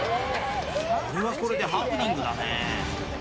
これはこれでハプニングだね。